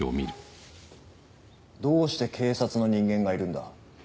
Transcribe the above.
どうして警察の人間がいるんだ？